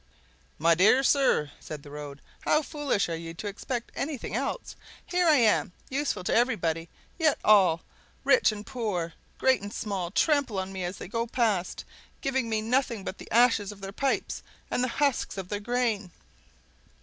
"My dear sir," said the Road, "how foolish you are to expect anything else! Here am I, useful to everybody, yet all, rich and poor, great and small, trample on me as they go past, giving me nothing but the ashes of their pipes and the husks of their grain!"